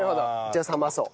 じゃあ冷まそう。